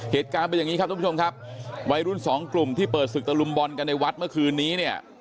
เหตุการณ์เป็นอย่างนี้ครับทุกผู้ชมครับวัยรุ่นสองกลุ่มที่เปิดศึกตะลุมบอลกันในวัดเมื่อคืนนี้เนี่ย